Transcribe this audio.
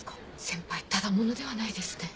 先輩ただ者ではないですね。